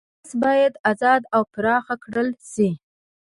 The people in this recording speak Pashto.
قفس باید ازاد او پراخ کړل شي.